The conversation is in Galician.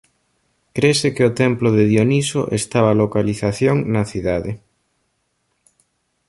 Crese que o Templo de Dioniso estaba localización na cidade.